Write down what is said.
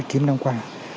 tím năm qua